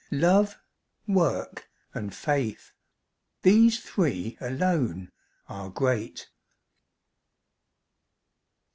Love, Work, and Faith—these three alone are great.